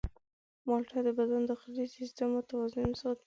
مالټه د بدن داخلي سیستم متوازن ساتي.